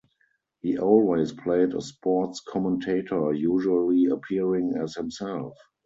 He always played a sports commentator, usually appearing as himself.